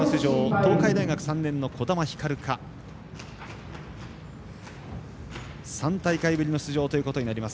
東海大学３年の児玉ひかるか３大会ぶりの出場となります。